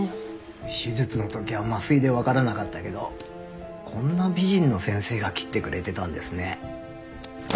手術の時は麻酔でわからなかったけどこんな美人の先生が切ってくれてたんですね。